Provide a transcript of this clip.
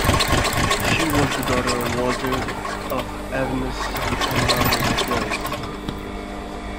She was the daughter of Walter of Avesnes and Margaret of Blois.